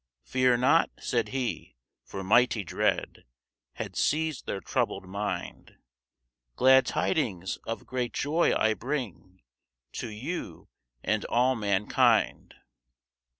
"Fear not," said he (for mighty dread Had seized their troubled mind); "Glad tidings of great joy I bring To you and all mankind.